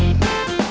ya itu dia